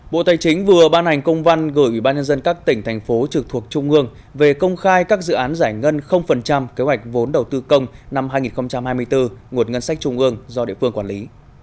bộ tài chính vừa ban hành công văn gửi ủy ban nhân dân các tỉnh thành phố trực thuộc trung ương về công khai các dự án giải ngân kế hoạch vốn đầu tư công năm hai nghìn hai mươi bốn nguồn ngân sách trung ương do địa phương quản lý